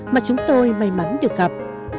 mà chúng tôi may mắn được gặp